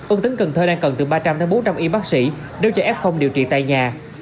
ông tính cần thơ đang cần từ ba trăm linh bốn trăm linh y bác sĩ nếu cho f điều trị tại nhà